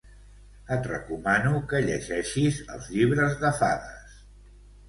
Et recomano que llegeixis els llibres de fades.